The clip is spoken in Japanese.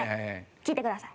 聞いてください。